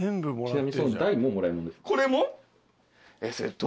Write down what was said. これも？